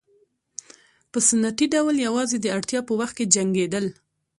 په سنتي ډول یوازې د اړتیا په وخت کې جنګېدل.